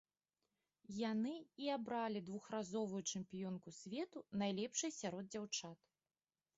Яны і абралі двухразовую чэмпіёнку свету найлепшай сярод дзяўчат.